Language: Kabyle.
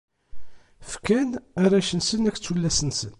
Fkan arrac-nsen akked tullas-nsen.